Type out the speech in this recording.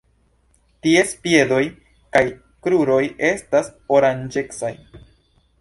Ties piedoj kaj kruroj estas oranĝecaj.